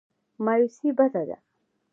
مایوسي بده ده.